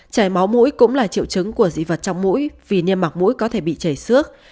chảy máu mũi cũng là triệu chứng của dị vật trong mũi vì niêm mạc mũi có thể bị chảy xước